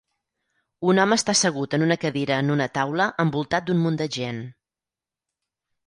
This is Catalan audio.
Un home està assegut en una cadira en una taula envoltat d'un munt de gent.